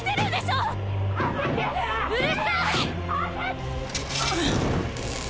うるさい！！